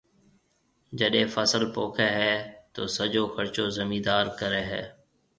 جڏَي فصل پوکيَ ھيََََ تو سجو خرچو زميندار ڪرَي ھيََََ